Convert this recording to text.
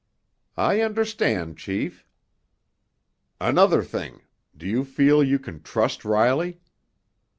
"I understand, chief." "Another thing. Do you feel you can trust Riley?"